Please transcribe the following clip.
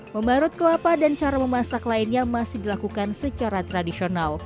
memarut kelapa dan cara memasak lainnya masih dilakukan secara tradisional